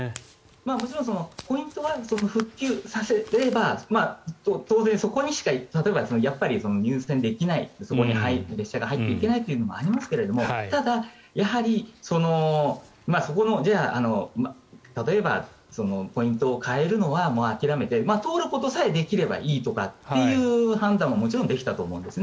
もちろんポイントは復旧させて当然、そこにしか入線できないそこに列車が入っていけないというのもありますけどただ、例えばポイントを変えるのはもう諦めて通ることさえできればいいという判断ももちろんできたと思うんですね。